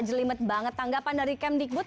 jelimet banget tanggapan dari kemdikbud